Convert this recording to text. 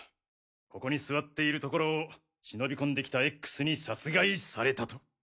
ここに座っているところを忍び込んできたＸに殺害されたと。